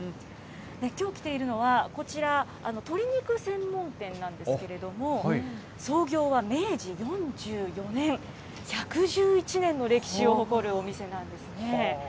きょう来ているのは、こちら、鶏肉専門店なんですけれども、創業は明治４４年、１１１年の歴史を誇るお店なんですね。